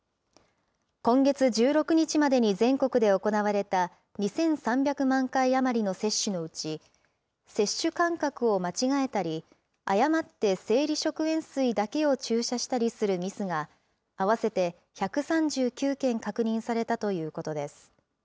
今月１６日までに全国で行われた２３００万回余りの接種のうち、接種間隔を間違えたり、誤って生理食塩水だけを注射したりするミスが、合わせて１３９件確認されたということです。